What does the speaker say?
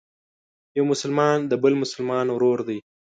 یو مسلمان د بل مسلمان ورور دی.